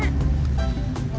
tapi gak jadi